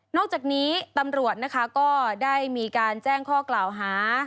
อกจากนี้ตำรวจนะคะก็ได้มีการแจ้งข้อกล่าวหา